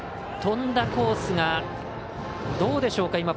飛んだコースがどうでしょうか。